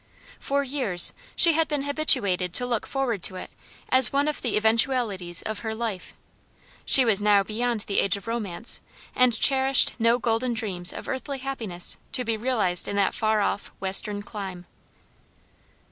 For years she had been habituated to look forward to it as one of the eventualities of her life. She was now beyond the age of romance, and cherished no golden dreams of earthly happiness to be realized in that far off western clime.